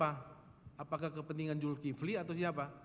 apakah kepentingan julki vli atau siapa